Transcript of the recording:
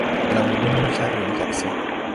Blam luumo, car re ne jàr se.